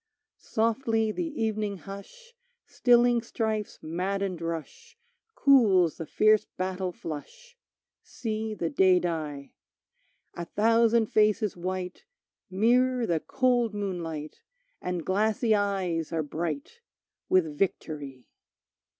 Softly the evening hush Stilling strife's maddened rush Cools the fierce battle flush, See the day die; A thousand faces white Mirror the cold moonlight And glassy eyes are bright With Victory.